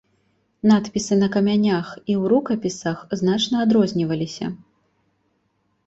Надпісы на камянях і ў рукапісах значна адрозніваліся.